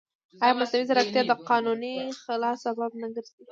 ایا مصنوعي ځیرکتیا د قانوني خلا سبب نه ګرځي؟